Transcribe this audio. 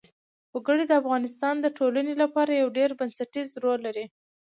وګړي د افغانستان د ټولنې لپاره یو ډېر بنسټيز رول لري.